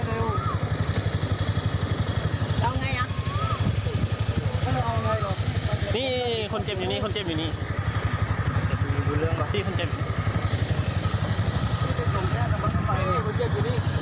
วิทยาลัยเกียรติศักดิ์สงสัยดีครับ